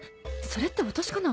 それって私かな？